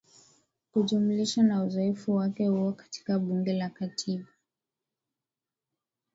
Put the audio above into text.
Kujumlisha na uzoefu wake huo katika Bunge la Katiba